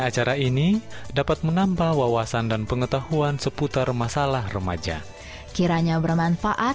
kami dari studio mengucapkan semoga